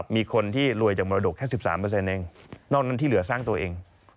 มีคนที่รวยจากมรดกแค่๑๓เองนอกนั้นที่เหลือสร้างตัวเอง